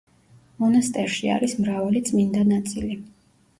მონასტერში არის მრავალი წმინდა ნაწილი.